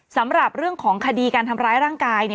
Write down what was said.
สำหรับเรื่องของคดีการทำร้ายร่างกาย